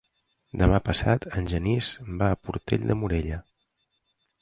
Demà passat en Genís va a Portell de Morella.